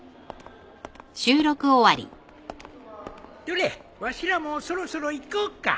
どれわしらもそろそろ行こうか。